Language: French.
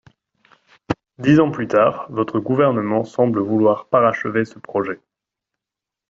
» Dix ans plus tard, votre gouvernement semble vouloir parachever ce projet.